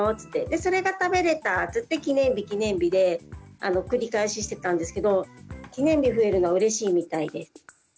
それが食べれたって記念日記念日で繰り返ししてたんですけど記念日増えるのうれしいみたいです。